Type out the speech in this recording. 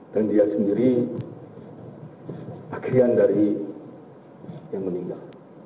dan dia sendiri bagian dari yang meninggal